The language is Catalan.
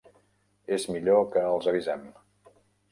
És millor que els avisem.